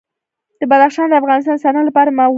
بدخشان د افغانستان د صنعت لپاره مواد برابروي.